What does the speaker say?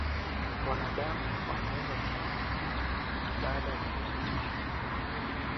Wanadamu wanaweza kuambukizwa baada ya kugusa tishu